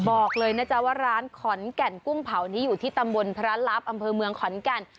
บอกเลยนะจ๊ะว่าร้านขอนแก่นกุ้งเผานี้อยู่ที่ตำบลพระลับอำเภอเมืองขอนแก่น